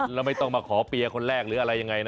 แล้วไม่ต้องมาขอเปียร์คนแรกหรืออะไรยังไงนะ